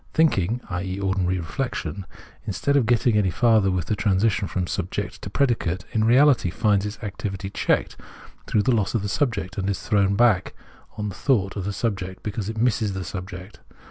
Thinking [i.e. ordinary reflection], instead of getting any farther with the transition from sub ject to predicate, in reality finds its activity checked through the loss of the subject, and it is thrown back 62 Phenomenology of Mine on the thought of the subject because it misses this subject.